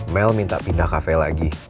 mel minta pindah kafe lagi